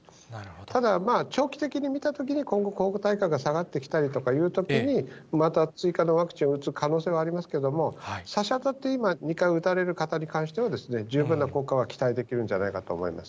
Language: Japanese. ただ、長期的に見たときに、今後、抗体が下がってきたというときに、また追加のワクチンを打つ可能性はありますけれども、さしあたって今、２回打たれる方に関しては、十分な効果は期待できるんじゃないかと思います。